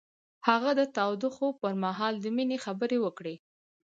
هغه د تاوده خوب پر مهال د مینې خبرې وکړې.